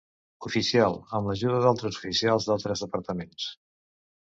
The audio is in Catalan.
Oficial, amb l'ajuda d'altres oficials d'altres departaments.